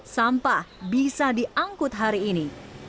sampah bisa diangkut hari ini